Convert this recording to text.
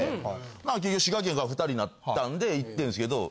結局滋賀県から２人になったんでいってるんですけど。